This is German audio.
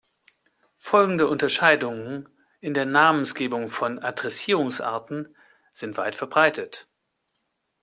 Folgende Unterscheidungen in der Namensgebung von Adressierungsarten sind weit verbreitet.